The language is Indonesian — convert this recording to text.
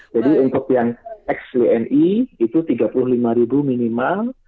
jadi untuk yang ex wni itu tiga puluh lima ribu minimal